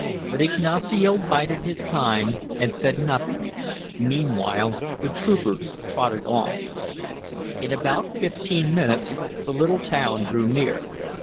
But Ignacio bided his time, and said nothing. Meanwhile, the troopers trotted on. In about fifteen minutes the little town drew near.